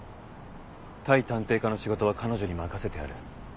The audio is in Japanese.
対探偵課の仕事は彼女に任せてある。